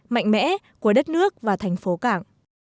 mạnh mẽ của đất nước và thành phố cảng